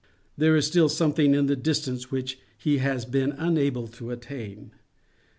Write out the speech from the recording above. There is still a something in the distance which he has been unable to attain.